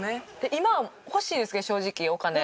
今欲しいんですけど正直お金。